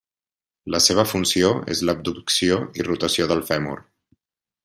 La seva funció és l'abducció i rotació del fèmur.